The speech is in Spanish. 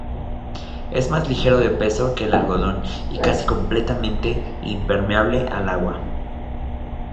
Es más ligero de peso que el algodón y casi completamente impermeable al agua.